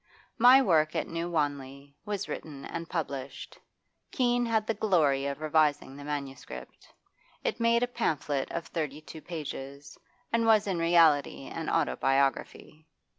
'My Work at New Wanley' was written and published; Keene had the glory of revising the manuscript. It made a pamphlet of thirty two pages, and was in reality an autobiography.